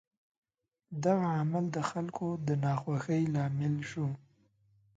دغه عمل د خلکو د ناخوښۍ لامل شو.